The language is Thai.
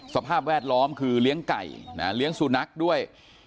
สภาพแวดล้อมคือเลี้ยงไก่เลี้ยงสุนัขด้วย